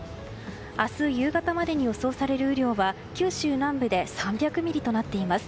明日夕方までに予想される雨量は九州南部で３００ミリとなっています。